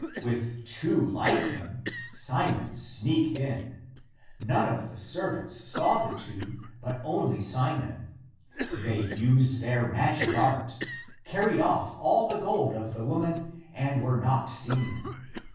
A\'ith two like him Simon sneaked in ; none of the servants saw the two but only Simon; they used their magic art, carried off all the gold of the woman, and were not seen.